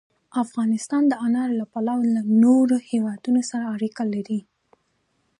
افغانستان د انارو له پلوه له نورو هېوادونو سره اړیکې لري.